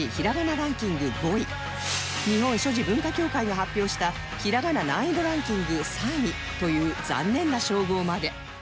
ランキング５位日本書字文化協会が発表したひらがな難易度ランキング３位という残念な称号まで